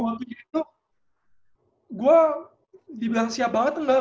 waktu itu gue dibilang siap banget enggak